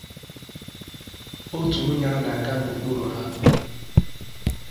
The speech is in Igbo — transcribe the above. otu onye a na-aga n’okpuru ha